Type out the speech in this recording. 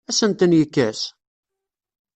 Ad asen-ten-yekkes?